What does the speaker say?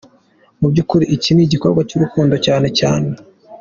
Mu by’ukuri ni igikorwa cy’urukundo cyane cyane.